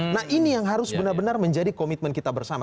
nah ini yang harus benar benar menjadi komitmen kita bersama